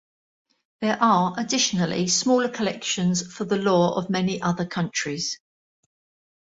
There are, additionally, smaller collections for the law of many other countries.